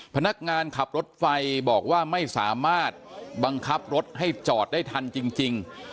พนักงานขับรถไฟบอกว่าไม่สามารถบังคับรถให้จอดได้ทันจริง